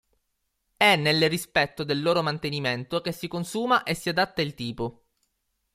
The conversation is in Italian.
È nel rispetto del loro mantenimento che si consuma e si adatta il tipo.